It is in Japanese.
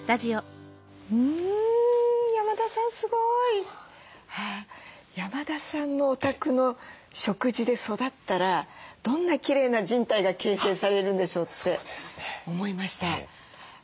うん山田さんすごい！山田さんのお宅の食事で育ったらどんなきれいな人体が形成されるんでしょうって思いました。